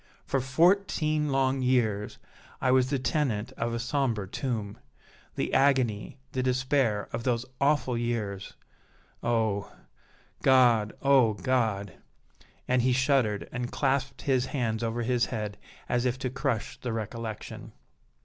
For fourteen long years I was the tenant of a sombre tomb. The agony, the despair of those awful years oh! God! oh! God!" and he shuddered and clasped his hands over his head as if to crush the recollection.